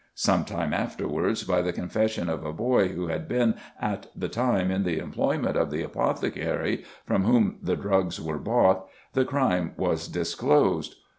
Some time afterwards, by the confession of a boy who had been at the time in the employment of the apothecary from whom the drugs were bought, the crime was disclosed.